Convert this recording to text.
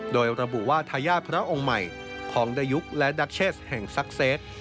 โดยระบุว่าทายาทพระองค์ใหม่ของดายุคและดักเชสแห่งซักเซต